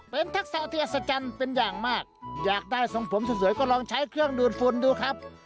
เป็นทักษะที่อัศจรรย์เป็นอย่างมากอยากได้ทรงผมสวยก็ลองใช้เครื่องดูดฝุ่นดูครับ